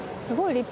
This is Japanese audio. すごい。